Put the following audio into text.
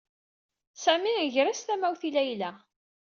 Sami iger-as tamawt i Layla.